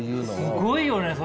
すごいよねそれ。